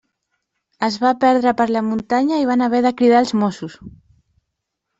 Es va perdre per la muntanya i van haver de cridar els Mossos.